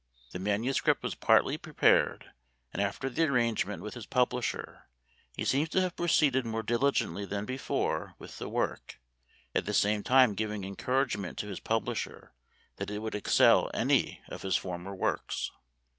The manuscript was partly prepared, and after the arrangement with his publisher he seems to have proceeded more diligently than before with the work — at the same time giving encourage ment to his publisher that it would excel any of his former works.